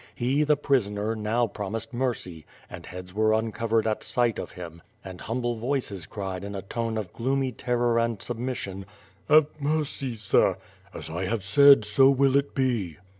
He, the prisoner, now promised mercy — and heads were uncov ered at sight of him and humble voices cried in a tone of gloomy terror and submission: "Have mercy, sir!" "As I have said, so will it be."